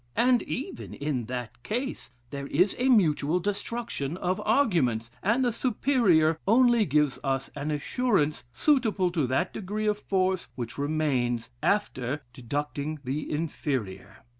And even in that case there is a mutual destruction of arguments, and the superior only gives us an assurance suitable to that degree of force which remains after deducting the inferior.'